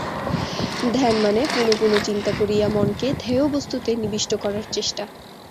ধ্যান মানে পুনঃপুন চিন্তা করিয়া মনকে ধ্যেয় বস্তুতে নিবিষ্ট করার চেষ্টা।